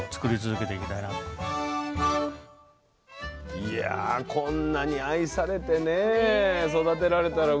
いやこんなに愛されてね育てられたらおいしさにもね。